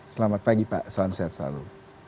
selamat pagi pak salam sehat selalu